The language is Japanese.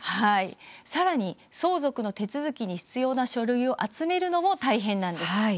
さらに相続の手続きに必要な書類を集めるのも大変です。